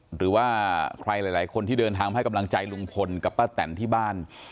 หรือว่าใครหลายคนที่เดินทางมาให้กำลังใจลุงพลกับป้าแตนที่บ้าน